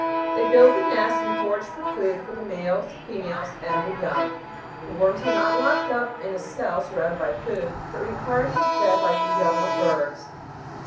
They build the nest and forage for food for the males, females, and the young. The worms are not locked up in a cell surrounded by food, but require to be fed like the young of birds.